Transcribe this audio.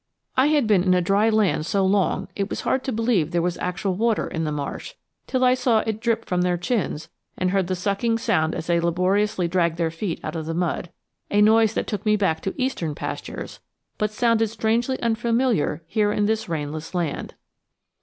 I had been in a dry land so long it was hard to believe there was actual water in the marsh till I saw it drip from their chins and heard the sucking sound as they laboriously dragged their feet out of the mud a noise that took me back to eastern pastures, but sounded strangely unfamiliar here in this rainless land.